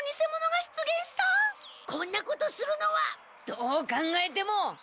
どう考えても！